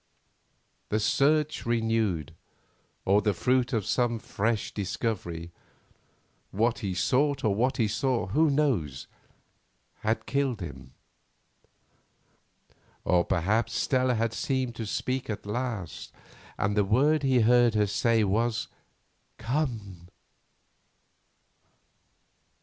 The search renewed, or the fruit of some fresh discovery—what he sought or what he saw, who knows?—had killed him. Or perhaps Stella had seemed to speak at last and the word he heard her say was Come!